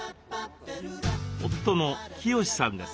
夫の清志さんです。